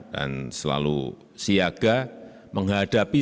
dan selalu siaga menghadapi keadaan yang terjadi di negara kita